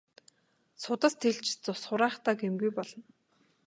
Судас тэлж цус хураахдаа гэмгүй болно.